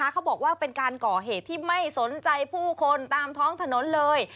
เขาบอกว่าเป็นการก่อเหตุที่ไม่สนใจผู้คนตามท้องถนนเลย